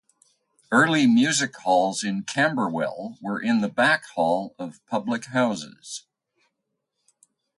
Early music halls in Camberwell were in the back hall of public houses.